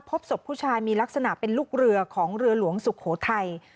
พบศพผู้ชายมีลักษณะเป็นลูกเรือของเรือหลวงสุโขทัย